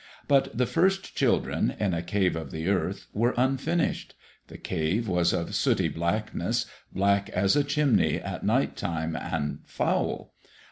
But the first children, in a cave of the earth, were unfinished. The cave was of sooty blackness, black as a chimney at night time, and foul.